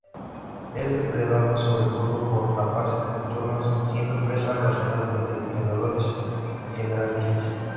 Es depredado, sobre todo, por rapaces nocturnas siendo presa ocasional de predadores generalistas.